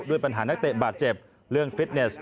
ด้วยปัญหานักเตะบาดเจ็บเรื่องฟิตเนส